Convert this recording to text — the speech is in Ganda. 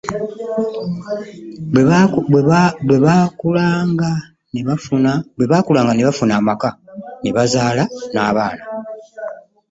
Bwe baakulanga ne bafuna amaka ne bazaala n’abaana.